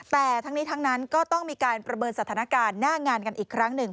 แต่ทั้งนี้ทั้งนั้นก็ต้องมีการประเมินสถานการณ์หน้างานกันอีกครั้งหนึ่ง